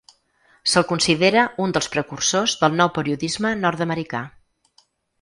Se’l considera un dels precursors del nou periodisme nord-americà.